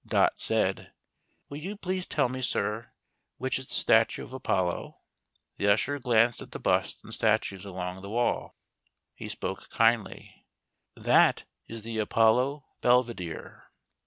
Dot said : "Will you please tell me, sir, which is the statue of Apollo The usher glanced at the busts and statues along the wall. He spoke kindly :" That is the Apollo Belvedere."